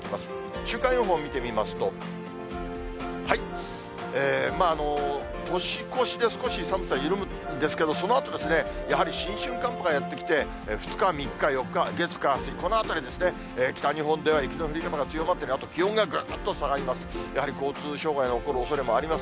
週間予報を見てみますと、まあ、年越しで、少し寒さ緩むんですけれども、そのあと、やはり新春寒波がやって来て、２日、３日、４日、月、火、水、このあたりですね、北日本では雪の降り方が強まって、気温がぐっと下がります。